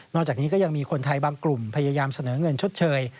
จากนี้ก็ยังมีคนไทยบางกลุ่มพยายามเสนอเงินชดเชย